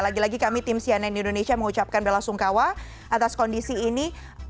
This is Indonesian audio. lagi lagi kami tim cnn indonesia mengucapkan bela sungkawa atas kondisi ini